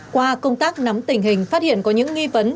qua công tác nắm tình hình phát hiện có những nghi vấn